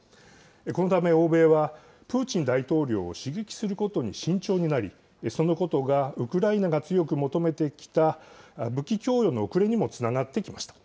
このため欧米は、プーチン大統領を刺激することに慎重になり、そのことがウクライナが強く求めてきた武器供与の遅れにもつながってきました。